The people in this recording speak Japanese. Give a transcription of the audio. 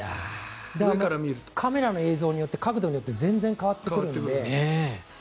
カメラの映像角度によって全然変わってくるので。